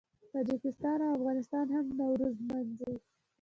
تاجکستان او افغانستان هم نوروز لمانځي.